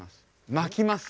巻きます。